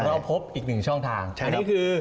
เราพบอีกหนึ่งช่องทางอันนี้คือ